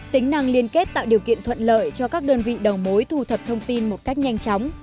tính năng liên kết tạo điều kiện thuận lợi cho các đơn vị đầu mối thu thập thông tin một cách nhanh chóng